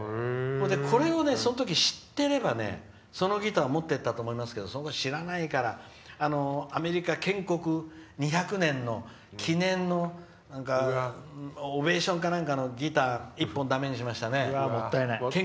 これをその時知ってればそのギターを持っていったと思いますけど知らないからアメリカ建国２００年の記念のギター１本だめにしましたね。